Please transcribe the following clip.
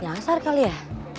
yangsar kali ya